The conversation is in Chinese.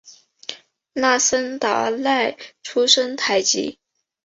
那森达赖出身台吉。